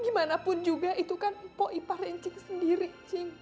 gimanapun juga itu kan pok iparnya cing sendiri cing